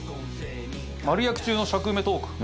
丸焼き中の尺埋めトーク。